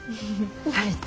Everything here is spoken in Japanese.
悠人。